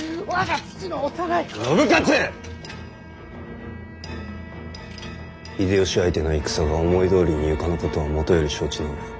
秀吉相手の戦が思いどおりにいかぬことはもとより承知の上。